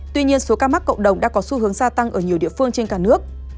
tuy nhiên số ca mắc cộng đồng đang có xu hướng gia tăng ở nhiều địa phương trên cả nước